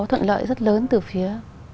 thuận lợi rất lớn từ phía